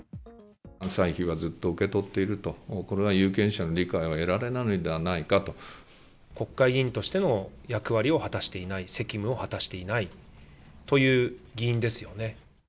歳費はずっと受け取っていると、これは有権者の理解を得られ国会議員としての役割を果たしていない、責務を果たしていないという議員ですよね。